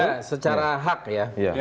nah secara hak ya